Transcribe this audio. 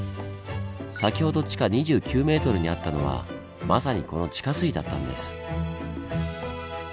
先ほど地下２９ｍにあったのはまさにこの地下水だったんです。